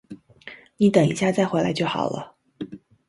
你等一下再回来就好了